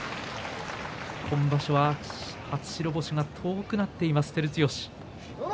今場所は初白星が遠くなっています、照強。